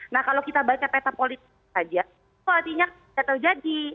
nah kalau kita baca peta politik saja itu artinya kita tahu jadi